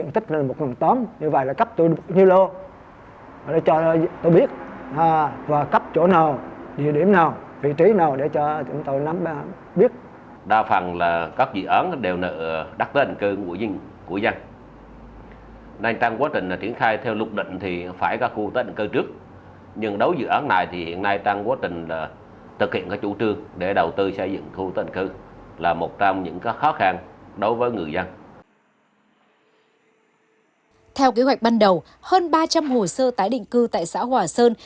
theo kế hoạch ban đầu hơn ba trăm linh hồ sơ tái định cư tại xã hòa sơn